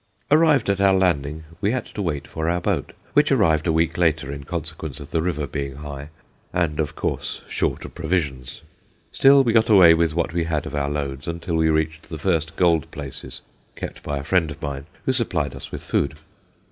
Arrived at our landing we had to wait for our boat, which arrived a week later in consequence of the river being high, and, of course, short of provisions. Still, we got away with what we had of our loads until we reached the first gold places kept by a friend of mine, who supplied us with food.